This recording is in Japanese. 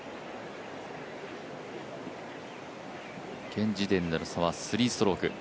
現時点での差は３ストローク。